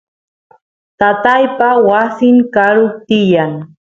tataypa wasin karu tiyan